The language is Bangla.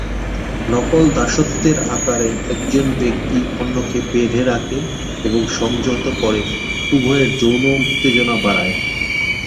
নকল দাসত্বের আকারে, একজন ব্যক্তি অন্যকে বেঁধে রাখে এবং সংযত করে, উভয়ের যৌন উত্তেজনা বাড়ায়।